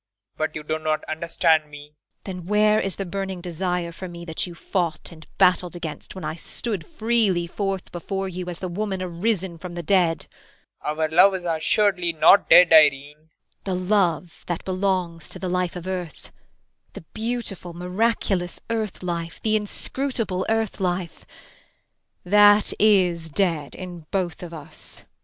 But you do not understand me. IRENE. Then where is the burning desire for me that you fought and battled against when I stood freely forth before you as the woman arisen from the dead? PROFESSOR RUBEK. Our love is assuredly not dead, Irene. IRENE. The love that belongs to the life of earth the beautiful, miraculous earth life the inscrutable earth life that is dead in both of us. PROFESSOR RUBEK. [Passionately.